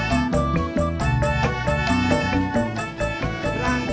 kayaknya pasang deh